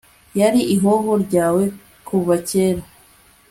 yari ihoho ryawe kuva kera